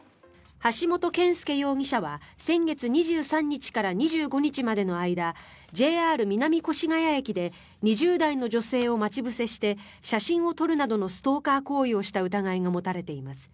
橋本憲介容疑者は先月２３日から２５日までの間ＪＲ南越谷駅で２０代の女性を待ち伏せして写真を撮るなどのストーカー行為をした疑いが持たれています。